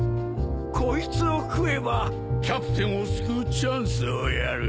こいつを食えばキャプテンを救うチャンスをやる